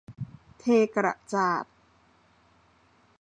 เทกระจาด